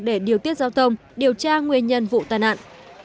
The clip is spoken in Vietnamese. để điều tiết giao thông điều tra nguyên nhân vụ tai nạn